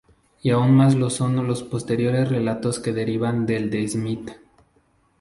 Y aún más lo son los posteriores relatos que derivan del de Smith.